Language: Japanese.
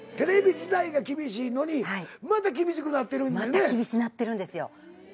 また厳しなってるんですよ。